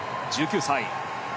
１９歳。